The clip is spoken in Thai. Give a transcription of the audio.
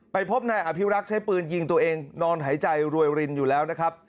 พบนายอภิรักษ์ใช้ปืนยิงตัวเองนอนหายใจรวยรินอยู่แล้วนะครับ